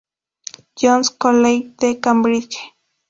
John's College de Cambridge.